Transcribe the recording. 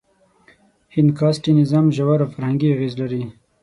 هند کاسټي نظام ژور فرهنګي اغېز لري.